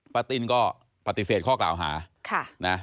ประตินก็ปฏิเสธข้อกล่าวหา